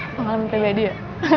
pengalaman pribadi ya